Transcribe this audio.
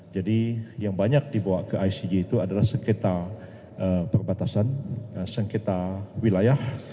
jadi yang banyak dibawa ke icg itu adalah sengketa perbatasan sengketa wilayah